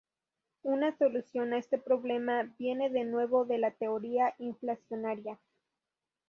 Una solución a este problema viene de nuevo de la teoría inflacionaria.